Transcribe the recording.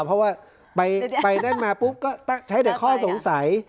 เพราะว่าไปนั่นมาปุ๊บก็ใช้แต่ข้อสงสัย